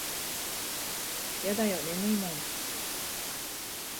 やだよ眠いもん。